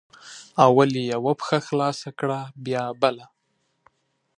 اول یې یوه پښه خلاصه کړه بیا بله